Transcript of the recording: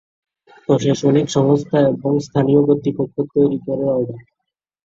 প্রশাসনিক সংস্থা এবং স্থানীয় কর্তৃপক্ষ তৈরি করে অর্ডার।